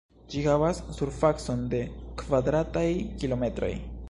Ĝi havas surfacon de kvadrataj kilometroj.